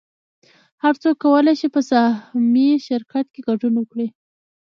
هر څوک کولی شي په سهامي شرکت کې ګډون وکړي